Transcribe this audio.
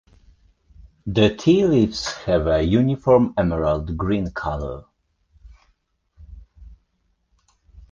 The tea leaves have a uniform emerald green colour.